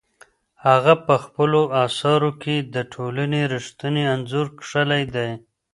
هغه په خپلو اثارو کې د ټولنې رښتینی انځور کښلی دی.